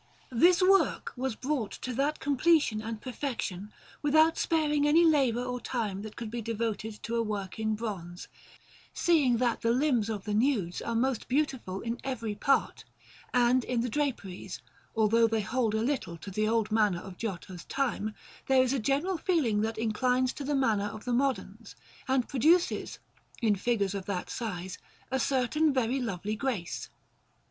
This work was brought to that completion and perfection without sparing any labour or time that could be devoted to a work in bronze, seeing that the limbs of the nudes are most beautiful in every part; and in the draperies, although they hold a little to the old manner of Giotto's time, there is a general feeling that inclines to the manner of the moderns, and produces, in figures of that size, a certain very lovely grace.